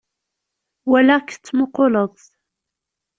Walaɣ-k tettmuquleḍ-tt.